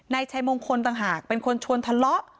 นายชัยมงคลต่างหากเป็นคนชวนทะเลาะ